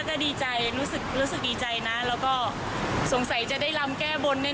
ค่ะค่ะดีก็ดีใจรู้สึกดีใจนะแล้วก็สงสัยจะได้รำแก้บ้นแน่เลย